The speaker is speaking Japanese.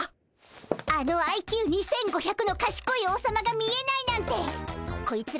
あのＩＱ２，５００のかしこい王様が見えないなんてこいつら